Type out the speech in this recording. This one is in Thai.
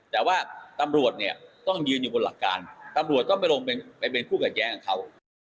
แต่ว่าตำรวจเนี่ยต้องยืนอยู่บนหลักการตำรวจต้องไปลงไปเป็นผู้ขัดแย้งกับเขา